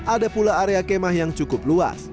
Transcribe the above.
ada pula area kemah yang cukup luas